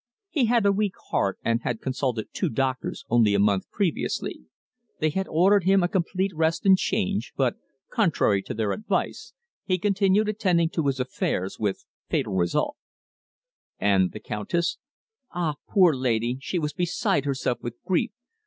He had a weak heart, and had consulted two doctors only a month previously. They had ordered him a complete rest and change, but, contrary to their advice, he continued attending to his affairs with fatal result." "And the countess?" "Ah! Poor lady, she was beside herself with grief.